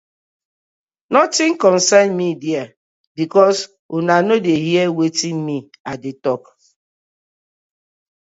Notin concern mi there because una no dey hear wetin me I dey tok.